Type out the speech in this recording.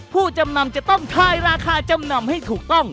ผู้จำนำจะต้องทายราคาจำนำให้ถูกต้อง